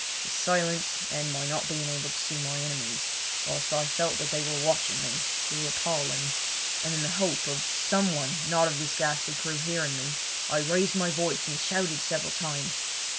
The silence, and my not being able to see my enemies, whilst I felt that they were watching me, grew appalling, and in the hope of some one not of this ghastly crew hearing me I raised my voice and shouted several times.